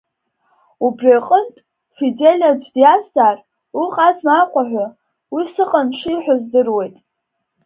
Убри аҟынтә, Фидель аӡә диазҵаар, уҟазма Аҟәа ҳәа, уи сыҟан шиҳәо здыруеит.